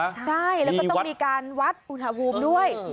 ใช่แล้วก็ต้องมีการวัดอุณหภูมิด้วย